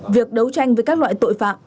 việc đấu tranh với các loại tội phạm